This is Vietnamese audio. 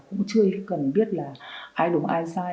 cũng chưa cần biết là ai đúng ai sai